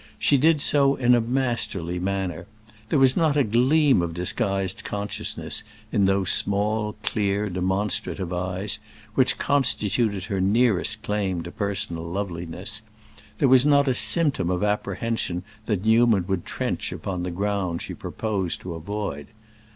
She did so in a masterly manner. There was not a gleam of disguised consciousness in those small, clear, demonstrative eyes which constituted her nearest claim to personal loveliness, there was not a symptom of apprehension that Newman would trench upon the ground she proposed to avoid.